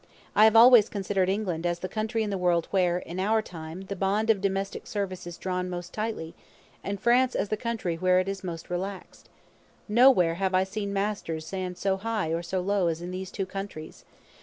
I have always considered England as the country in the world where, in our time, the bond of domestic service is drawn most tightly, and France as the country where it is most relaxed. Nowhere have I seen masters stand so high or so low as in these two countries.